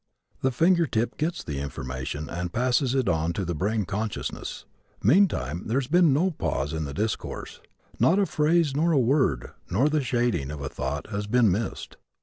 The finger tip gets the information and passes it on to the brain consciousness. Meantime there has been no pause in the discourse. Not a phrase nor a word nor the shading of a thought has been missed.